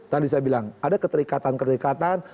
tadi saya bilang ada keterikatan keterikatan